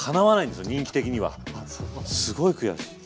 すごい悔しい。